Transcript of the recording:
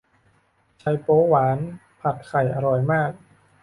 ไชโป๊วหวานผัดไข่อร่อยมาก